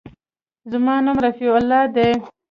زما نوم رفيع الله دى.